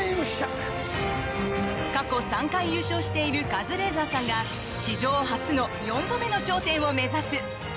過去３回優勝しているカズレーザーさんが史上初の４度目の頂点を目指す！